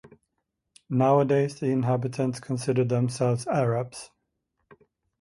Nowadays the inhabitants consider themselves Arabs.